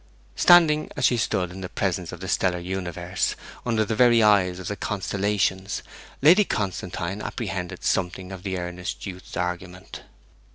Standing, as she stood, in the presence of the stellar universe, under the very eyes of the constellations, Lady Constantine apprehended something of the earnest youth's argument.